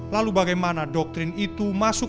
lalu bagaimana doktrin itu masuk